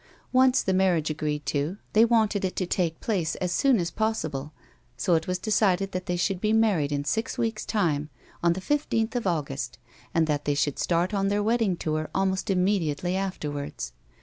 Once the marriage agreed to, they wanted it to take place as soon as possible, so it was decided that they should be married in six weeks' time, on the 15th of August, and that they should start on their wedding tour almost immediately afterwards.